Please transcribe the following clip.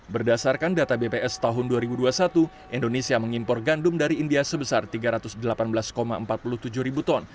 berdasarkan data bps tahun dua ribu dua puluh satu indonesia mengimpor gandum dari india sebesar tiga ratus delapan belas empat puluh tujuh ribu ton